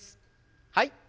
はい。